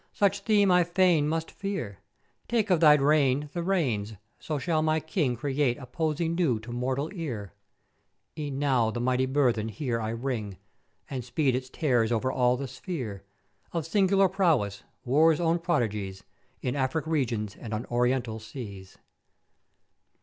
such theme I fain must fear. Take of thy reign the reins, so shall my King create a poesy new to mortal ear: E'en now the mighty burthen here I ring (and speed its terrors over all the sphere!) of sing'ular prowess, War's own prodigies, in Africk regions and on Orient seas.